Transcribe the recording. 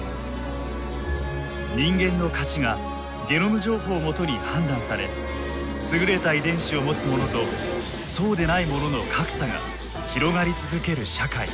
人間の価値がゲノム情報をもとに判断され優れた遺伝子を持つ者とそうでない者の格差が広がり続ける社会。